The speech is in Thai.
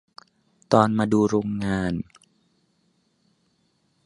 ตอนมาดูโรงงาน